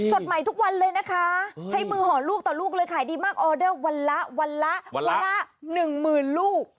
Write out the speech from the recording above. สดใหม่ทุกวันเลยนะคะใช้มือห่อลูกต่อลูกเลยขายดีมากออเดอร์วันละวันละวันละหนึ่งหมื่นลูก